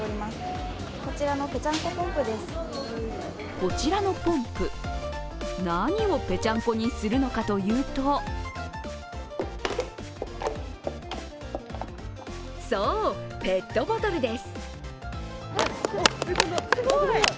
こちらのポンプ、何をぺちゃんこにするのかというとそう、ペットボトルです。